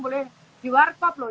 boleh diwarkop loh